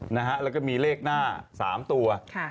แล้วก็มีเลขหน้า๓ตัว